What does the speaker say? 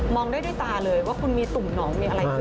องได้ด้วยตาเลยว่าคุณมีตุ่มหนองมีอะไรขึ้น